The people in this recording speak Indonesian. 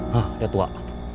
hah lihat wak